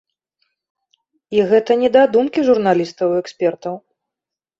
І гэта не дадумкі журналістаў і экспертаў.